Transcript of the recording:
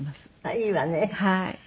いいわね。